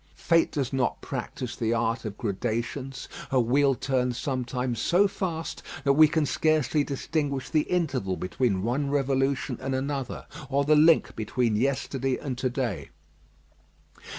Fate does not practise the art of gradations. Her wheel turns sometimes so fast that we can scarcely distinguish the interval between one revolution and another, or the link between yesterday and to day.